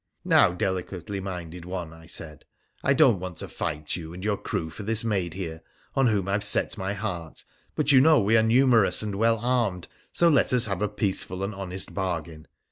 ' Now, delicately minded one,' I said, ' I don't want to fight you and your crew for this maid here, on whom I have set my heart, but you know we are numerous and well armed, so let us have a peaceful and honest bargain.